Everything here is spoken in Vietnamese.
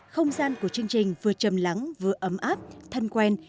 không gian của chương trình vừa chầm lắng vừa ấm áp thân quen